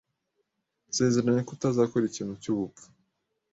Nsezeranya ko utazakora ikintu cyubupfu.